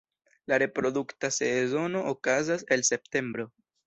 La reprodukta sezono okazas el septembro.